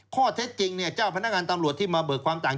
ข้อเท็จจริงเจ้าพนักงานตำรวจที่มาเบิกความต่าง